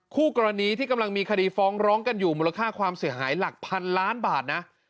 คู่กรณีที่กำลังมีคดีฟ้องร้องกันอยู่มูลค่าความเสียหายหลักพันล้านบาทนะ